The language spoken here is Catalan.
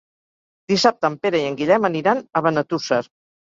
Dissabte en Pere i en Guillem aniran a Benetússer.